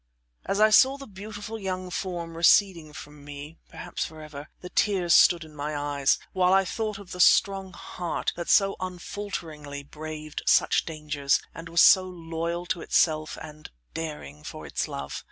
As I saw the beautiful young form receding from me, perhaps forever, the tears stood in my eyes, while I thought of the strong heart that so unfalteringly braved such dangers and was so loyal to itself and daring for its love.